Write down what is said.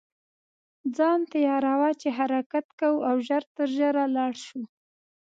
ځان تیاروه چې حرکت کوو او ژر تر ژره لاړ شو.